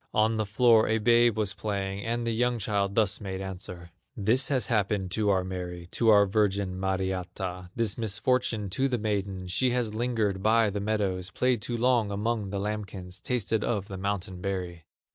On the floor a babe was playing, And the young child thus made answer: "This has happened to our Mary, To our virgin, Mariatta, This misfortune to the maiden: She has lingered by the meadows, Played too long among the lambkins, Tasted of the mountain berry."